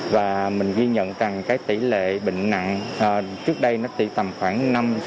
và mình ghi nhận rằng cái tỷ lệ bệnh nặng trước đây nó tỷ tầm khoảng năm sáu